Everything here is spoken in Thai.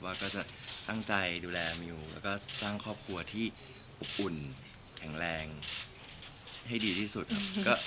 ก็จะตั้งใจดูแลมิวแล้วก็สร้างครอบครัวที่อบอุ่นแข็งแรงให้ดีที่สุดครับ